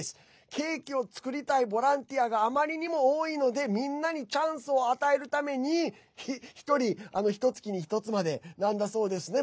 ケーキを作りたいボランティアがあまりにも多いのでみんなにチャンスを与えるために１人ひとつきに１つまでなんだそうですね。